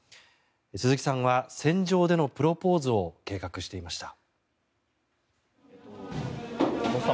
鈴木さんは船上でのプロポーズを計画していました。